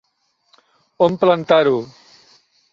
On plantar-ho.